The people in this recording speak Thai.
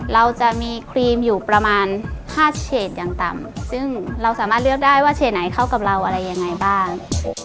เราจะมีครีมอยู่ประมาณ๕เฉดอย่างต่ำซึ่งเราสามารถเลือกได้ว่าเฉดไหนเข้ากับเราอะไรยังไงบ้าง